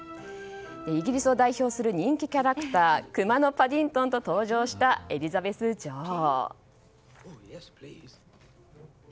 イギリスを代表する人気キャラクターくまのパディントンと登場したエリザベス女王。